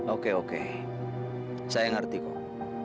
oke oke saya ngerti kok